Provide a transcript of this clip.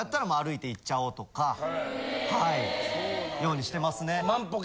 ようにしてますね。